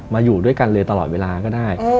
อยู่ด้วยกันเลยตลอดเวลาก็ได้